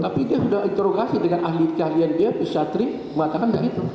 tapi dia sudah interogasi dengan ahli keahlian dia psatri mengatakan begitu